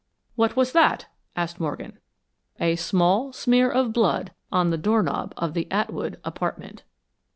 "What was that?" asked Morgan. "A SMALL SMEAR OF BLOOD ON THE DOORKNOB OF THE ATWOOD APARTMENT!"